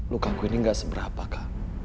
lukaku ini gak seberapa kak